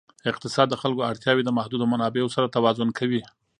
اقتصاد د خلکو اړتیاوې د محدودو منابعو سره توازن کوي.